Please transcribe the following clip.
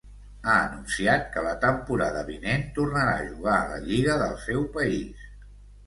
Ha anunciat que la temporada vinent tornarà a jugar la lliga del seu país.